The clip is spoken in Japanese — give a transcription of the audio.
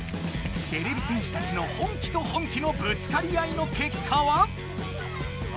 てれび戦士たちの本気と本気のぶつかり合いのけっかは？